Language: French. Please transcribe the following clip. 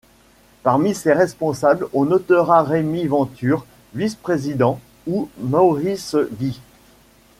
Parmi ses responsables on notera Remi Venture, vice-président, ou Maurice Guis.